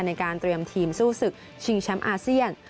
ในการเตรียมทีมสู้ศึกชิงแชมป์อาเซียน